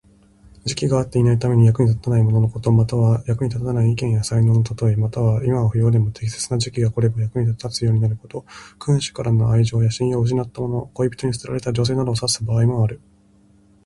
時期が合っていないために、役に立たないもののこと。または、役に立たない意見や才能のたとえ。または、今は不要でも適切な時期が来れば役に立つようになること。君主からの愛情や信用を失ったもの、恋人に捨てられた女性などを指す場合もある。